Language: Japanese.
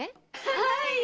はい！